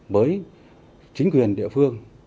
với chính quyền địa phương